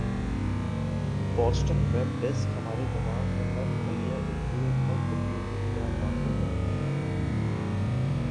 Boston Web desk ہمارے دماغ کا ہر خلیہ ایک پورےبگ کمپیوٹر کی طرح کام کرتا ہے